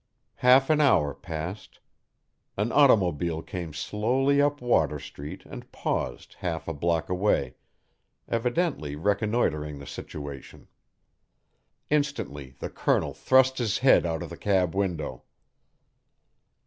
Half an hour passed. An automobile came slowly up Water Street and paused half a block away, evidently reconnoitering the situation. Instantly the Colonel thrust his head out the cab window.